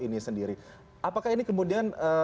ini sendiri apakah ini kemudian